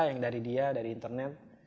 yang dari dia dari internet